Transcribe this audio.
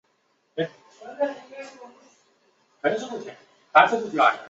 原俄国使馆旧址已无任何遗迹。